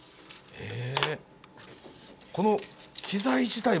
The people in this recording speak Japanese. へえ。